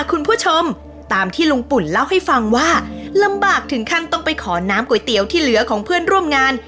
คุณผู้ชมตามที่ลุงปุ่นเล่าให้ฟังว่าลำบากถึงขั้นต้องไปขอน้ำก๋วยเตี๋ยวที่เหลือของเพื่อนร่วมงาน